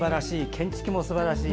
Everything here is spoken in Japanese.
景色もすばらしい。